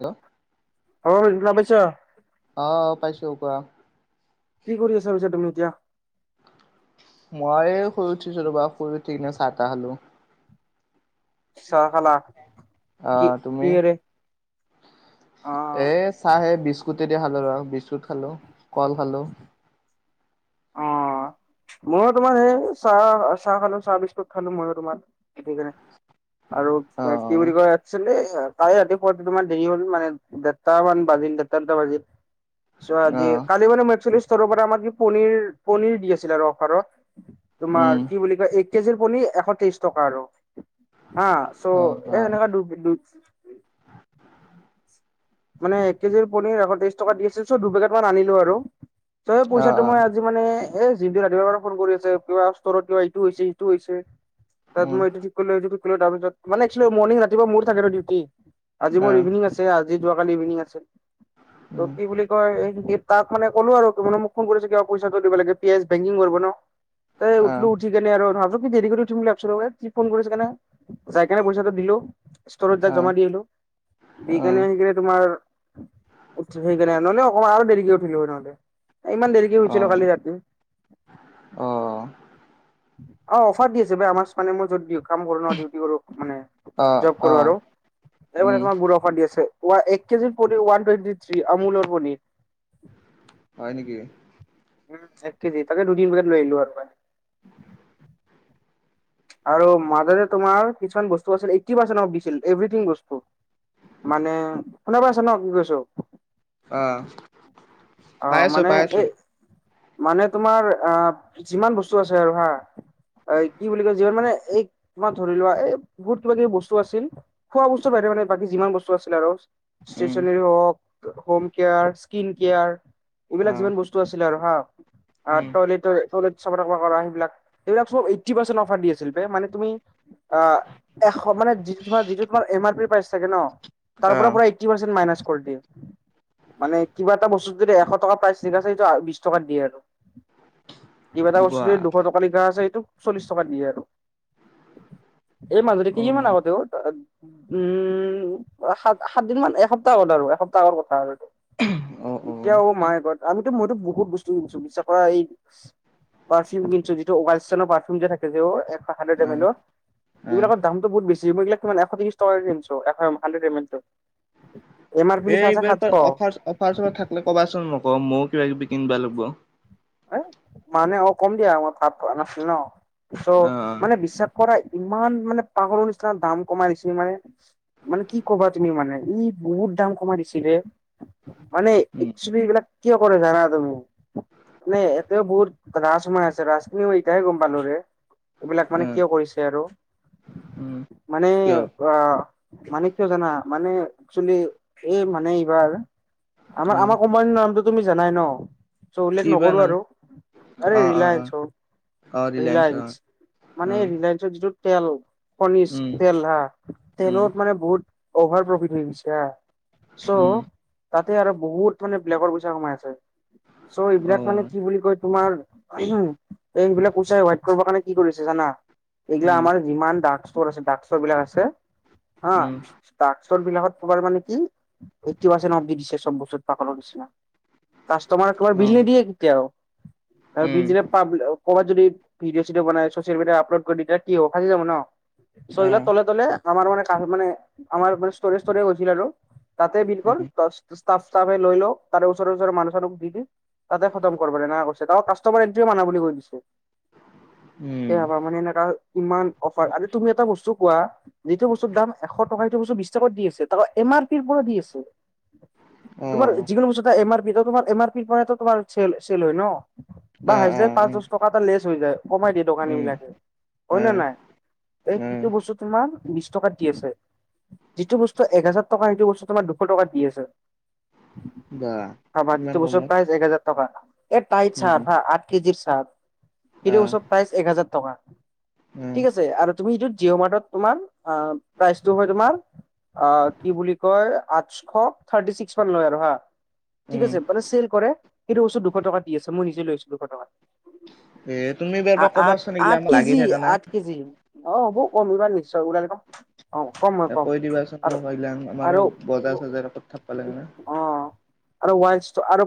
Hello হল শুনা পাইছ অ পাইছো কোৱা। কি কৰি আছা পিছে তুমি এতিয়া। মই শুই উঠিছিলো ৰবা শুই উঠিকিনে চাহ তাহ খালোঁ। চাহ খালা অ কি তুমি কিহেৰে অ এ চাহে বিস্কুট তেদিয়া খালো বিস্কুট খালো কল খালো অঁ মই তোমাৰ সেই চাহ চাহ খালো চাহ বিস্কুট খালো ময়ো তোমাৰ সেতোকাৰনে আৰু কি অ' বুলি কয় একছলি তাই ৰাতিপুৱাটো তোমাৰ দেৰি হ'ল মানে দেৰটা মান বাজিল দেৰটা দুটা বাজিল যোৱা অ' অ' কালি মানে ম ষ্টৰৰ পৰা আমাক কি পন পনিৰ দি আছিল আৰু অফাৰত। উম তোমাৰ কি বুলি কয় এক কেজিৰ পণীৰ এশ তেইশ টকা আৰু অ অ' চ' অ' এনেক [unintelligible] মানে এক কেজিৰ পনিৰ এশ ত্ৰিশ টকা দি আছিল চ দুই পেকেট মান আনিলো আৰু ত অ' পইচাটো অ' মই আজি মানে এ যিনটো ৰাতিপুৱাৰ পৰা ফোন কৰি আছে কিবা ষ্টৰত কিবা ইটো হৈছে ইটো হৈছে উম তাত মই এইটো ঠিক কৰিটো ঠিক কৰিলো তাৰপিত মানে মৰ্নিং ৰাতিপুৱা মোৰ থাকে ন ডিউটি আজি মোৰ অ' ইভিনিং আছে আজি যোৱাকালি ইভিনিং আছিল ত উম কি বুলি কয় এই তাক মানে কলো আৰু মোক ফোন কৰিছে কিবা পইচাটো দিব লাগে পিছ বেংকিং কৰিব ন তাই অ' উঠলো উঠি কেনে আৰু ভাবছো কি দেৰি কৰি উঠিম বুলি ভাবিছো কি ফোন কৰিছে কেনে যাই কিনে পইচাটো দিলো ষ্টৰত যাই অ' জমা দি আহিলো দি অ' কেনে অ' সেইনে তোমাৰ উ সেইকাৰণে নহলে অকমান আৰু দেৰিক উঠিলো নহলে ইমান দেৰি কি হৈছিলো অ' কালি ৰাতি অ অফাৰ দি আছে ব আমাৰ মানে মই য'ত দিয়ক কাম কৰো ন ডিউটি কৰো মানে অ' জব কৰো অ' আৰু স মানে উম তোমাক বু দি এক কেজিৰ পনীৰ ওৱান টুৱেন্টি থ্ৰী আমুলৰ পনীৰ হয় নেকি উম এক কেজি তাকে দুদিন পোগেট লৈ আহলো আৰু মান আৰু মাজতে তোমাৰ কিছুমান বস্তু আছিল এই পাৰ্চ অ দিছিল এভথিং বস্তু মানে শুনা পাইচা ন কি কৈছো আহ আহ মানে এ মানে তোমাৰ আহ যিমান বস্তু আছে আৰু হা এ কি বুলি কয় যিমান মানে এই তোমাৰ ধৰি লোৱা এই বহুত কিবা কিবি বস্তু আছিল খোৱা বস্তু মানে বাকী যিমান বস্তু আছিলে আৰু উম ষ্টেচেনেৰী হক হোম কেয়াৰ স্কিন কেয়াৰ এইবিলাক অ' যিমান বস্তু আছিলে আৰু হা উম টয়লেট টয়লেট চ কৰা সেইবিলাক এইবিলাক চ পাৰ্চেন্ত অফাৰ দি আছিল বে মানে তুমি অ এশ মানে যিটো তোমাৰ যিটো তোমাৰ এম আৰ পি পাইছে চাগে ন তাৰ পৰা অ' পৰা এ ই। টি মাইনাচ কৰি দে মানে কিবা এটা বস্তু যদি এশ টকা প্ৰাই চিধা চিধি সটো বিশ টকা দিয়ে আৰু কিবা এটা বোৱা বস্তু দুশ টকা লিখা আছে এইটো চল্লিশ টকা দিয়ে আৰু এই মাজতে কেইদিনমান আগতে অ উম সাত সাতদিন মান এসপ্তাহত আৰু এসপ্তাহৰ কথা আৰু অ' অ' এতিয়াও মায়ে ঘৰত আমিতো মইতো বহুত বস্তুছো বিশ্বাস কৰা এই পাৰফিউম কিন্তু যিটো উগালিস্তানৰ পাৰফিম যে থাকে যে অ' ম অ' এইবিলাকৰ দামতো বহুত বেছি যিবিলাক মানে এশ ত্ৰিশ টকাকে কিনিছো এশ হাণ্ডাৰেদ এমেলটো এই ইবাৰ অফ অফাৰছ থাকে কবাচোন মোক মওঁ কিবা কিবি কিনিব লাগিব হেই মানে অ' কম দিয়া, মই ভাত পোৱা নাছিলো ন' চ' অ মানে বিশ্বাস কৰাই ইমান মানে পাহৰৰ নিচিনা দাম কমাই নিচি মানে মানে কি কবা তুমি মানে ই বহুত দাম কমাই দিছিলে। মানে উম একছবি এইবিলাক কিয় কৰে জানা তুমি নাই এতেও বহুত ৰাজ সোমাই আছে ৰাজ, ৰাজখিনিও মই ইতহে গম পালো ৰে' এইবিলাক অ মানে কিয় কৰিছে আৰু উম মানে কিয় অ মানে কিয় জানা মানে একচেলি এই মানে এইবাৰ। আমাৰ, উম আমাৰ কোম্পানীৰ নামটো তুমি জানাই ন' চ' উল্লেখ কি বা নকৰো নাম আৰু আৰে অ অ অ ৰিলায়ন্স হ' অ ৰিলায়েন্স অ ৰিলায়ন্স মানে উম ৰিলায়ন্স যিটো তেল কণচ উম তেল ধা উম তেলত মানে বহুত অভাৰ প্ৰফিট হৈ গৈছে চ' উম তাতে আৰু বহুত মানে ব্লেকৰ পইচা কমাই আছে, চ' অ এইবিলাক মানে কি বুলি কয় তোমাৰ উ এই সবিলাক কৈচাই হোৱাইট কৰিব কাৰণে কি কৰিছে জানা এইগিলা উম আমাৰ যিমান দ আছে ডাকচৰ বিলাক আছে হা উম ড শ্ব'ত বিলাকাৰ মানে কি এইটটি পাৰ্চেন্ট অফ দি দিছে চব বস্তুত পাগলৰ নিচিনা কাষ্টমাৰ তোমাৰ অ বিল নিদিয়ে কেতিয়াও আৰু উম বিল দিলে পাব ক'ৰবাত যদি ভিডিঅ' -চিডিঅ' বনাই চছিয়েল মিডিয়াত আপলড কৰি তেতিয়া কি হ'ব বাচি যাব ন'। চ' অ এইগিলা তলে তলে আমাৰ মান মানে আমাৰ মানে ষ্টৰেজষ্টৰে গৈছিল আৰু তাতে বিল উম ষ্টাফ ফে লৈ লও তাৰে ওচৰে ওচৰে মানুহ আৰু দি দি তাতে খতম কৰিব নৈ কামাৰ এণ্টও মাননা বুলি কৈ দিছে উম স হবা মানে এনেকা ইমান অফাৰ আৰু তুমি এটা বস্তু কোৱা যিটো বস্তুৰ দাম এশ টকা সটো বস্তু বিশ টকাত দি আছে ত কাৰ পীন পৰি আছে। অ তোমাৰ যিকোনো বস্তু এম আৰ পি তোমাৰ এম আৰ পিৰ পৰাো তোমাৰ চেল হয় ন। বা অ অ পাঁচ অ দশ টকা এটা লেচ হৈ যায় কমাই দিয়ে দোকানী উম বিলাকে হয় অ নে নাই? এই অ কটো বস্তু তোমাৰ বিশ টকাত দি আছে। যিটো বস্তু এক হাজাৰ টকা সেইটো বস্তু তোমাৰ দুশ টকাত দি আছে। বা চাবা ইমান যিতু বস্তু কমত পাই এক হাজাৰ টকা এই টাইই উম চাৰফ হা আঠ কেজিৰ অ সিটো চব প্ৰাইজ এক হাজাৰ টকা উম ঠিক আছে আৰু তুমিটো জিঅ' মাৰ্টত তোমাৰ প্ৰাইচটো হয় তোমাৰ অ কি বুলি কয় আঠশ থাৰ্টি ছিক্স মান লয় আৰু হা ৷ ঠিক উম আছে মানে চেল কৰে কিন্তু ওচৰত দুশ টকা দি আছে মই নিজে লৈ আছো দুশ টকাত৷ এ তুমি এইবাৰ আ পৰা আঠ, কবাচোন এইগিলা আঠ মোক লাগি কেজি, থাকা না আঠ কেজি। অ' বৌ কমিবা নিশ্চয় ওলালে ক অ কম হয় এ কম কৈ দিবাচোন আৰু মোক সেইগিলান আমাৰ আৰু বজাৰ চজাৰ ক'ত থাকব লাগে না অ আৰু ৱাইডচ আৰু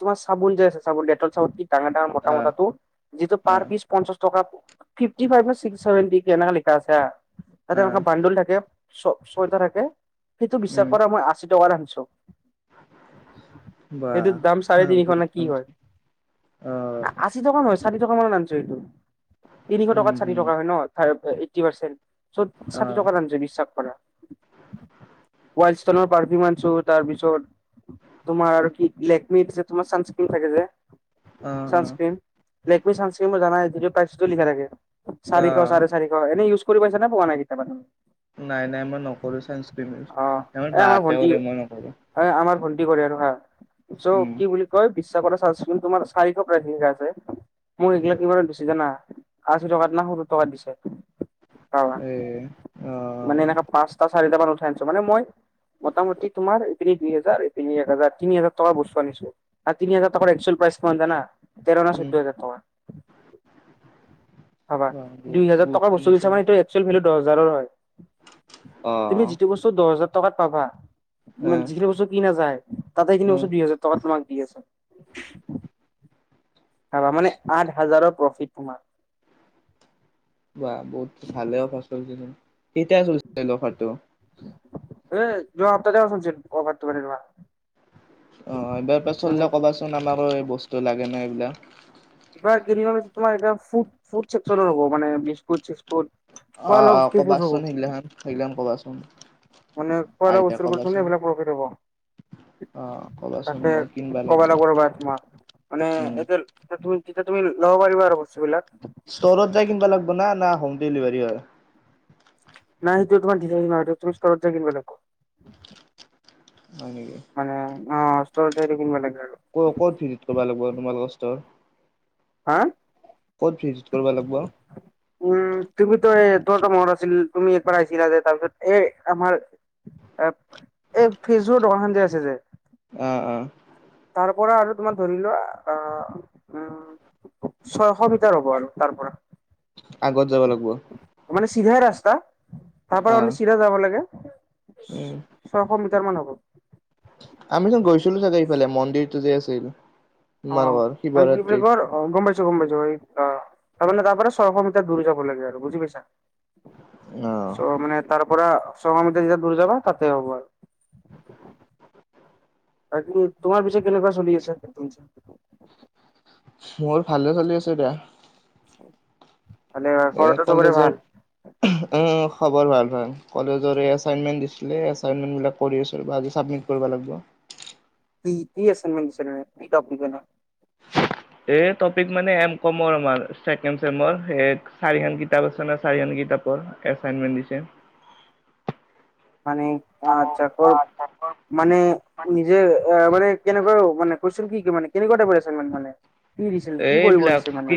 তোমাৰ চাবোন যে আছে চাবোন ডেটল চাব ডাঙা - ডাঙা মোটা আহ মোতটোো যিহেতু পিচ আহ পঞ্চাশ টকা। ফিফটি ফাইভ নে ছিক্স চেভেণ্টি এনেকা লিখা আছে হা। তে আহ এনেকা বান্দুল থাকে ছ ছয়টা থাকে, সেইটো বিশ্বাস কৰা মই আশী টকা আনি বাহ। সেইটোৰ দাম চাৰে তিনিশ নে কি হয় [unintelligible] ষাঠি টকা মানত আনছো সেইটো তিনিশ উম টকাত ষাঠি উম টকা হয় ন' ফাই এইটটি পাৰ্চেন্ট চ' ষাঠি আহ টকা আনছো বিশ্বাস কৰা ৱাইলডষ্টনৰ পাৰফিউম ক্ৰীম আনছো তাৰপিছত তোমাৰ আৰু কি লেকমি যে তোমাৰ চানস্ক্ৰীণ থাকে যে অহ-অহ ছানস্ক্ৰীন লেকমি চানস্ক্ৰীণতো জানাই, যিটো প্ৰাইচ তোটে লিখা থাকে চাৰিশ, আহ চাৰে চাৰিশ এনে ইউজ কৰি পাইছ না পোৱা নাই কিতাবা নাই-নাই মই নকৰোঁ ছানস্কিন অ ইউজ আমাৰ বাহতে কৰে মই নকৰো। কি কৰে আৰু হা চ' উম। কি কয় বিশ্বাস কৰা চানস্কিন তোমাৰ চাৰিশৰ পৰাে আছে [unintelligible] মই এইগিলাক কিমানত দিছি জানা আশী টকাত না সত্তৰ টকাত দিছে। এ [unintelligible] মানে আহ এনেকে পাঁচটা, চাৰিটা মান আনছো মানে মই মোটামুটি তুমাৰ ইপিনে দুই হাজাৰ ইপিনি এক হাজাৰ, তিনি হাজাৰ টকা বস্তু আনিছো। আৰু তিনি হাজাৰ টকাৰ একচুৱেল প্ৰাইচ কিমান জানা তেৰ নে চৈধ্য উম হাজাৰ টকা ৷ হাবা বা দুই বহুত হাজাৰ বহুত টকা বস্তু মতে দিছে মানে এটো একচুৱেল ভেলু দহ হেজাৰৰ হয়৷ তুমি আহ যিটো বস্তু দহ হাজাৰ টকাত পাবা। মান আহ যিখিনি বস্তু কিনা যায় তাতে এখিনি উম বস্তু দুই হাজাৰ টকা তোমাক ঠিকে আছে। হাবা মানে আঠ হাজাৰৰ প্ৰফিট তোমাৰ ৷ বা বহুত ভালে অফাৰ চলিছেোন কেইটয়া চলিছিল অফাৰটো? উ যোৱা সাপ্তাত চলচিল অফৰটো এনকা। [unintelligible] অ' এইবাৰ পে চললে কবাচোন আমাৰো এই বস্তু লাগে ন এইবিলাক কিবাৰ কিনিবি তোমাৰ এ ফুটছেকক্টৰৰ হ'ব মানে বিস্কুট চিচকুট অহ অ ক'বাচোন সেইগিলাখান, সেইগিলাখান ক'বাচোন মানে খোৱাা আহিলে বস্তুে কবাচোন এইবিলাক প্ৰফিট হব অ', [unintelligible] কবাচোন ততে মই কিনবা লাগব কবা লাগবো ৰবা তোমাক, মানে উম, এতিয়া তুমি তেতিয়া তুমি ল'ব পাৰিবা আৰু বস্তুবিলাক ষ্ট'ৰত যায় কিনবা লাগিব না? না হোম ডেলিভাৰী হয়? ন তোমাৰ ধিকা [unintelligible] তুমি স্তৰত যে কিনিব লাগব হয় নেকি? অ ষ্টৰত যাই কনিবা লাগে [unintelligible] ক' ক'ত ভিজিট কৰিব লাগিব তোমালোকৰ ষ্টৰ? হা ক'ত ভিজিট কৰবা লাগব উম' তুমি তো এই তৰ ত মৰ আছিল তুমি একবাৰ আহিছিলা যে তাৰপিছত এ আমাৰ এ এই ফ্ৰিজৰ দোকানখন যে আছে যে অ অ। তাৰ পৰা আৰু তোমাৰ ধৰি লোৱা আহ উম ছয়শ মিটাৰ হ'ব আৰু তাৰ পৰা। আগত যাবা লাগবো। চিধা ৰাস্তা। তাৰ পৰা আমি চিধা যাব লাগে, ছয়শ মিটাৰ মান হ'ব। আমি য'ত গৈছিলো চাগে ইফালে মন্দিৰটো যে আছে এইটো অ মান কি বুলি কৰ গম পাইছোঁ গম পাইছোঁ অ সেইপিনে তাৰ ছয়শ মিটাৰ দূৰ যাব লাগে আৰু বুজি পাইছা অ', ছ মানে তাৰ পৰা ছশ মিটাৰ যেতিয়া দূৰ যাবা তাতে হব আৰ তাকি তোমাৰ পিছে কেনেকুৱা চলি আছে নতুন ছেম মোৰ ভালে চলি আছে দে। [inaudible] এ ঘৰতো চবৰে ভাল কলেজৰ অহ অ' খবৰ ভাল ভাল। কলেজৰ এছাইনমেণ্ট দিছিলে কৰি আছোঁ ৰবা, আজি চাবমিট কৰিব লাগিব। কি এছাইনমেণ্ট দিছা নো, কথা কব নৰা এ টপিক মানে এম কমৰ আমাৰ চেকেণ্ড চেমৰ, চাৰিখন কিতাপ আছে নে চাৰিখন কিতাপৰ এছাইনমেণ্ট দিছে। মানে অ আত্চ্ছা কৰ মানে নিজে আহ মানে কেনেকুৱাও মানে কুৱেশ্যন কি? কি মান কেনেকুৱাটা কুৱেশ্যন মানে? কি দিছিল কি কৰিব এইবিলাক দিছে মানে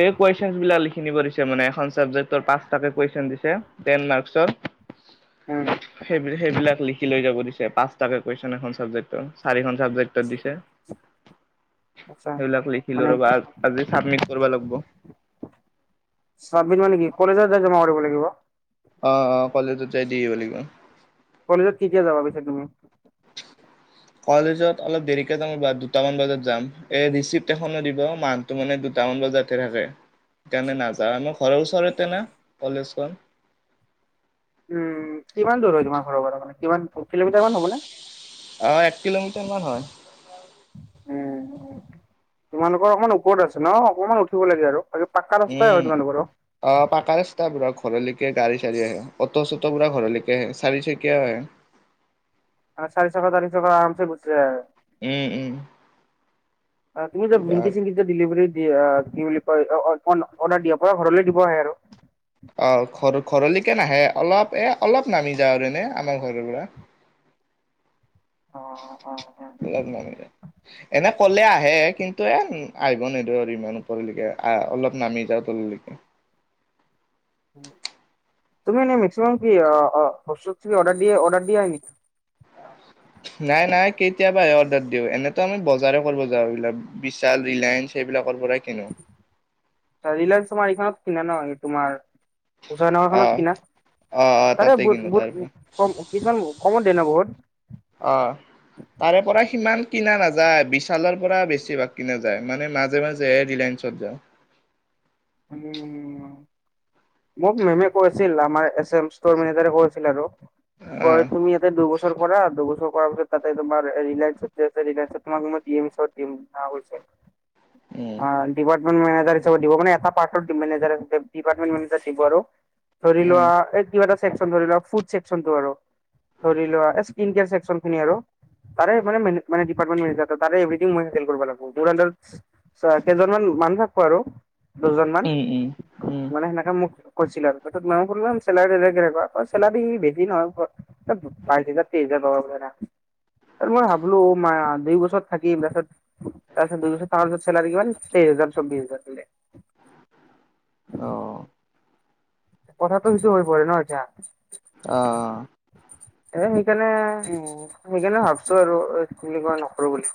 এই কুৱেশ্যন বিলাক লিখ খিনিব দিছে মানে এখন ছাবজেক্টৰ পাঁচটাকে কুৱেশ্যন দিছে টেন মাৰ্কৰ। উম সেই সেইবিলাক লিখি লৈ যাব দিছে, পাঁচটাকে কুৱেশ্যন এখন চাবজেক্টৰ চাৰিখন চাবজেক্ট দিছে। আচ্ছা সেইবিলাক লিখিলো মানে ৰ'বা, আজি চাবমিট কৰবা লাগবো। চাবমিট মানে কি কলেজত যাই জমা কৰিব লাগিব। অ অ কলেজত যাই দি আহিব লাগিব। কেতিয়া যাবা পিছা তুমি? কলেজত অলপ দেৰিকে যাম, দুটা মান বজাত যাম, এ ৰিচিপট এখনো দিব মাৰ্ক টো মানে দুটা টান বজাতে থাকে তেনে নাযাৰা ন ঘৰৰ ওচৰতে না কলেজখন। উম, কিমান দূৰ হয় তোমাৰ ঘৰৰ পৰা মানে কিমান? কিলোমিটাৰ মান হ'বনে আহ এক কিলোমিটাৰ মান হয়। উম, তোমালোকৰ অকমান ওপৰত আছে ন অকমান উঠিব লাগে আৰু, আৰু এ। অ পাকা ৰাস্তা বোৰত। ঘৰলৈকে গাড়ী চাড়ি আহে, অটো চটো পৰা ঘৰলৈকে আহে চাৰি চকিয়া আহে। মানে চাৰি চকা, তাৰি চকা আৰামচে গুচি যায়। উম উম তুমি যে পুৰা লিংকি চিংকি যে দিলিভাৰীত কি অ কি বুলি কয়। অ অ অৰ্ডাৰ দিয়াৰ পৰা ঘৰলে দিব আহে আৰু। অ ঘৰ। ঘৰলৈকে নাহে। অলপ এ অলপ নামি যাওঁ আৰু এনে আমাৰ ঘৰৰ পৰা। অ অ অ অলপ নামি যায়। এনে ক'লে আহে, কিন্তু এ আহিব নিদো আৰু ইমান ওপৰলৈকে আহ অলপ নামি যাওঁ তল- লৈকে। [unintelligible] তুমি এনে মেক্সিমাম কি অহ বস্তু কি অৰ্ডা, অৰ্ডাৰ দিয়ে নেক- নাই নাই কেতিয়াবা অৰ্ডাৰ দিও, এনেতো আমি বজাৰ কৰিব যাওঁ, এইবিলাক বিশাল ৰিলায়েন্স এইবিলাক। ৰিলায়ন্স তোমাৰ এইখনত কিনে ন এই তোমাৰ। উসয় নগৰ অ খনত কিনা, অ অ তাতে কিনো বহুত তাৰ বহুত পৰা কম কিছুমান কমত দিয়ে ন বহুত। অ তাৰে পৰা সিমান কিনা নাযায়। বিশালৰ পৰা বেছিভাগ কিনা যায়। মানে মাজে মাজে হে ৰিলাইন চত যা। [unintelligible] মোক মেমে কৈছিল আমাৰ এছেমথৰ মেনেজাৰে কৈছিল আৰু পৰ আহ তুমি ইয়াতে দুবছৰ কৰা, দুবছৰ কৰা পিছত তাতে তোমাৰ, এ ৰিলায়াঞ্চত তোমাক মই স্ক্ৰীণশ্বট দিম ভালকে। উম অ ডিপাৰ্টমেণ্ট মেনেজাৰ হিচাপত দিব মানে এখপ। পাৰ্থৰ টিম মেনেজাৰে ডিপাৰ্টমেণ্ট মেনেজাৰ দিব আৰু, ধৰি উম লোৱা এ কিবা এটা চেকচন ধৰী লোৱা ফুদ চেকচন টো আৰু, ধৰি লোৱা এ স্কিন কেয়াৰ ছেকচন খিনি আৰু। তাৰে মানে মানে দিপাৰটমেন্ত মেনেজাৰ। তাৰে এভৰিঠিং মই হেল্প কৰিব লাগিব। ধুৰন্ধৰ চোৱা কেইজনমান মানু থাকো আৰু দুজন মান, উম উম উম মানে সেনেকে মখ কৈছিল আৰু তাৰপিচত মাও চেলাৰ তেলাৰি কেনেকুৱা? চেলাৰী বেছি নহয় বাইছ হাজাৰ, তেইছ হাজাৰ, মই ভাবলো নাই অৱ দুই বছৰত থাকিম তাপিছত। তাৰপিছত দুই বছৰ ত চেলাৰি কিমান, তেইছ হাজাৰ চৌবিছ হাজাৰ বোলে। অ। কথাটো কিছু হৈ পৰে ন এতিয়া। আহ এ সেইকাণে সেইকাণে ভাবছো আৰু কি বুলি কয় নকৰো বুলি।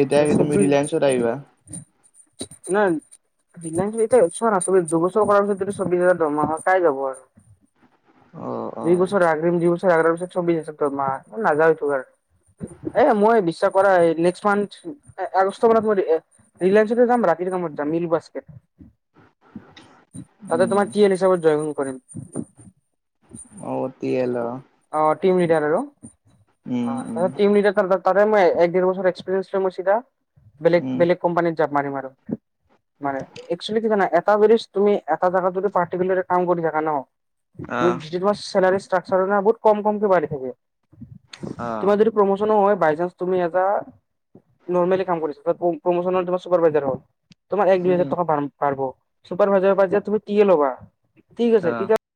এতিয়া তুমি ৰিলায়েন্সত আহিবা [inaudible] ৰিলাইন্স হেৰিতে ওচৰত আচৰিত দুবছৰ কৰা পিছত চৌব্বিছ হাজাৰ দৰমহা কাই যাব আৰু। অ অ দুইবছৰ আগ্ৰীম দুইবছৰ আগ্ৰ পিছত চৌবিছ হাজাৰ দৰমহা। ও নাযাও আৰু এইটো। এ মই বিশ্বাস কৰা নেক্স মান্থ আগষ্ট মানত মই ৰিলায়েন্সতে যাম। ৰাখ যা মিল বাস্কেট। তাতে উম তোমাৰ তিয়েল হিচাপত জইন কৰিম? অ, তিয়েল অহ। তিম লিদাৰ আৰু উম অ তিম লিদাৰ তাপিছত। ততে মই এক ডেৰ বছৰ এক্সপিৰিয়েঞ্চ লৈ মই চিধা বেলেগ উম বেলেগ কোম্পানিত জাপ মাৰিম আৰু। মানে একচুৱেলি কি জানা, এটা বেছ তুমি এটা জাগাত যদি পাৰ্তিকুলাৰ কাম কৰি থাকা ন অ চেলাৰী এক্সট্ৰা জানা বহুত কম কমকে বাঢ়ি থাকে। অ তোমাৰ যদি প্ৰমোচনো হয়। বাইচাঞ্চ তুমি এটা নৰ্মেলী কাম এটা কৰিছা, তাত প্ৰমোচন ত তোমাৰ ছুপাৰ ভাইজাৰ হল। তোমাৰ এক দুই উম হাজাৰ টকা পা পাৰব, চুপাৰভাইজাৰ পৰা এতিয়া তুমি টিয়েল হবা, ঠিক অ আছে কিবা